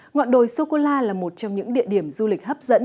ngọn đồi sô cô la là một trong những địa điểm du lịch hấp dẫn